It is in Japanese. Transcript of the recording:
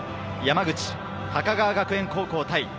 山口・高川学園高校対